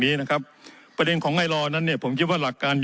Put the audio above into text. นี้นะครับประเด็นของไอลอนั้นเนี่ยผมคิดว่าหลักการ